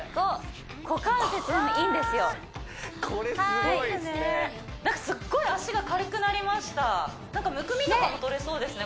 股関節にいいんですよなんかすっごい脚が軽くなりましたなんかむくみとかもとれそうですね